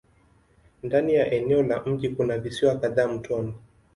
Ndani ya eneo la mji kuna visiwa kadhaa mtoni.